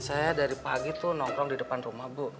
saya dari pagi tuh nongkrong di depan rumah bu